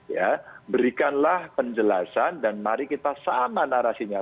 ya berikanlah penjelasan dan mari kita sama narasinya